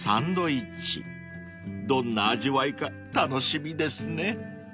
［どんな味わいか楽しみですね］